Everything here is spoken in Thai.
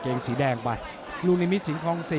หรือว่าผู้สุดท้ายมีสิงคลอยวิทยาหมูสะพานใหม่